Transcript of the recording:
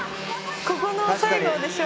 ここの最後でしょ？